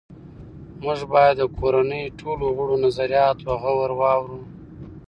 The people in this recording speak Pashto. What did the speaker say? موږ باید د کورنۍ ټولو غړو نظریات په غور واورو